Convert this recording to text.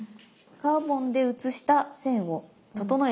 カーボンで写した線を整えていきます。